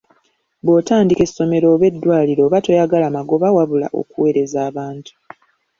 Bw'otandika essomero, oba eddwaliro oba toyagala magoba wabula okuweereza abantu.